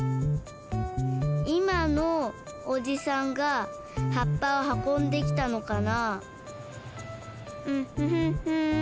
いまのおじさんが葉っぱをはこんできたのかな？